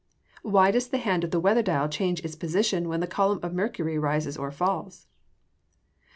_Why does the hand of the weather dial change its position when the column of mercury rises or falls?